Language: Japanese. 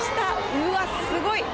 うわ、すごい。